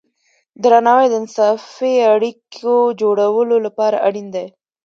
درناوی د انصافی اړیکو جوړولو لپاره اړین دی.